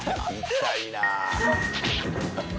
痛いな。